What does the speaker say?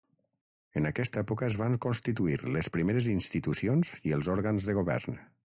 En aquesta època es van constituir les primeres institucions i els òrgans de govern.